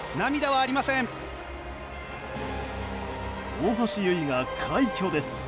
大橋悠依が快挙です。